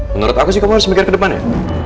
menurut aku sih kamu harus mikir ke depan ya